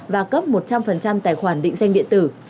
và cấp một trăm linh tài khoản định danh điện tử